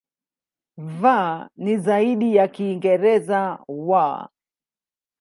V ni zaidi ya Kiingereza "w".